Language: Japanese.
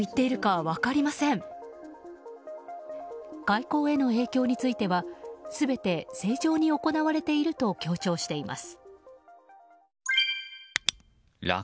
外交への影響については全て正常に行われていると強調しています。